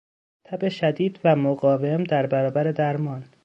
تب شدید و مقاوم در برابر درمان